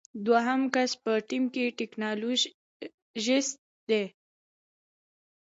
دوهم کس په ټیم کې ټیکنالوژیست دی.